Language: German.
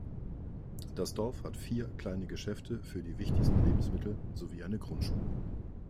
Das Dorf hat vier kleine Geschäfte für die wichtigsten Lebensmittel sowie eine Grundschule.